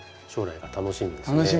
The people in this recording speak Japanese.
将来が楽しみですね。